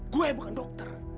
gue bukan dokter